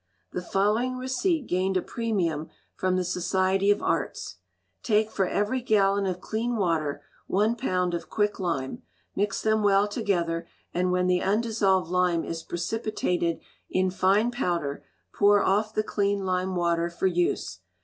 The following receipt gained a premium from the Society of Arts: Take for every gallon of clean water one pound of quicklime, mix them well together, and when the undissolved lime is precipitated in fine powder, pour off the clean lime water for use.